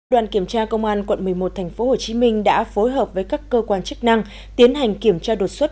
đoàn kiểm tra công an quận một mươi một tp hcm đã phối hợp với các cơ quan chức năng tiến hành kiểm tra đột xuất